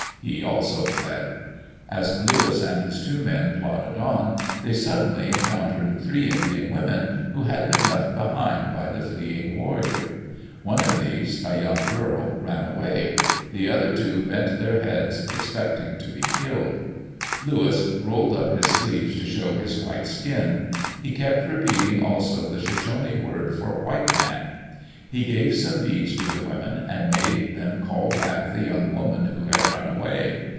He also fled. As Lewis and his two men plodded on they suddenly encountered three Indian women, who had been left behind by the fleeing warrior. One of these, a young girl, ran away; the other two bent their heads, expecting to be killed. Lewis rolled up his sleeves to show his white skin; he kept repeating also the Sho shone word for " white man.*' He gave some beads to the women, and made them call back the young woman who had run away.